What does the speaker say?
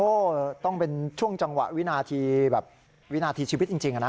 โอ้โหต้องเป็นช่วงจังหวะวินาทีแบบวินาทีชีวิตจริงนะ